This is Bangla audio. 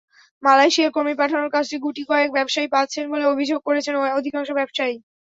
মালয়েশিয়ায় কর্মী পাঠানোর কাজটি গুটি কয়েক ব্যবসায়ী পাচ্ছেন বলে অভিযোগ করেছেন অধিকাংশ ব্যবসায়ী।